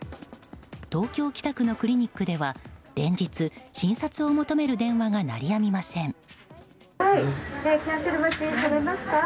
東京・北区のクリニックでは連日、診察を求める電話が鳴りやみません。